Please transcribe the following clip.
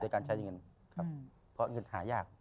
การใช้เงินครับเพราะเงินหายาก